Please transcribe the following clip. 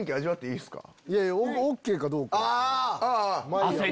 いやいやＯＫかどうか。